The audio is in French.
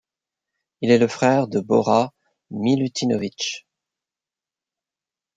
Il est le frère de Bora Milutinović.